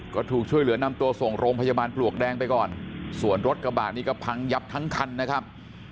ก็ถูกช่วยเหลือนำตัวส่งโรงพยาบาลปลวกแดงไปก่อนส่วนรถกระบะนี้ก็พังยับทั้งคันนะครับ